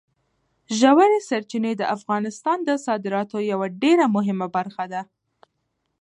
ژورې سرچینې د افغانستان د صادراتو یوه ډېره مهمه برخه ده.